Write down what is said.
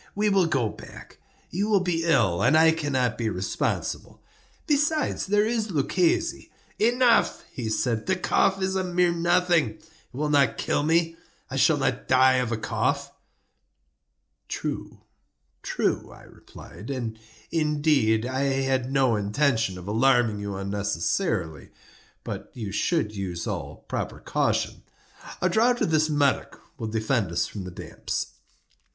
We will go back; you will be ill, and I cannot be responsible. Besides, there is Luchesi—" "Enough," he said; "the cough is a mere nothing; it will not kill me. I shall not die of a cough." "True—true," I replied; "and, indeed, I had no intention of alarming you unnecessarily—but you should use all proper caution. A draught of this Medoc will defend us from the damps."